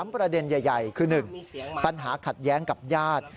ประเด็นใหญ่คือ๑ปัญหาขัดแย้งกับญาติ